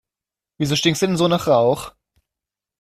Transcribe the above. Wieso stinkst du denn so nach Rauch?